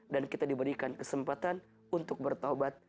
dan kita diberikan kesempatan untuk bertobat